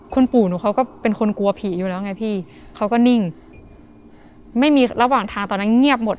คุณปู่หนูเขาก็เป็นคนกลัวผีอยู่แล้วไงพี่เขาก็นิ่งไม่มีระหว่างทางตอนนั้นเงียบหมด